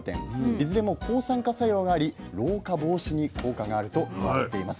いずれも抗酸化作用があり老化防止に効果があると言われています。